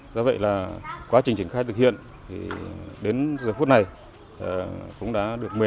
do vậy là quá trình triển khai thực hiện đến giờ phút này cũng đã được một mươi năm